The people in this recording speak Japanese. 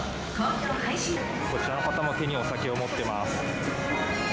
こちらの方も手にお酒を持ってます。